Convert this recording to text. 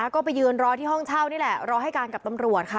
ก็ไปยืนรอที่ห้องเช่านี่แหละรอให้การกับตำรวจค่ะ